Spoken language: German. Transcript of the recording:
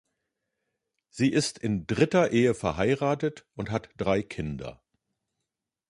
Sie ist in dritter Ehe verheiratet und hat drei Kinder.